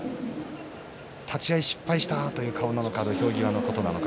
立ち合い失敗したという顔なのか土俵際のことなのか。